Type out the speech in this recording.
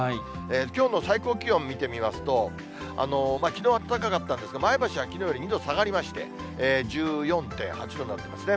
きょうの最高気温見てみますと、きのう暖かかったんですけど、前橋はきのうより２度下がりまして、１４．８度になってますね。